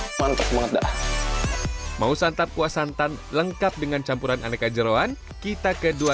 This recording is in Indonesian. hai mantap banget dah mau santan kuah santan lengkap dengan campuran aneka jerawan kita kedua